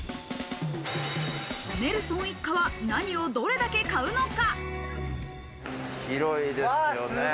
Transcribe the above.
ネルソン一家は何をどれだけ買うのか？